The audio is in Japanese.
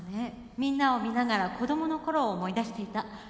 みんなを見ながら子供の頃を思い出していた。